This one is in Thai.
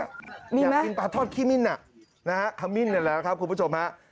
อยากกินปลาทอดขี้มิ่นนะมิ่นอยู่แล้วครับคุณผู้ชม